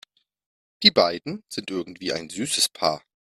Die beiden sind irgendwie ein süßes Paar.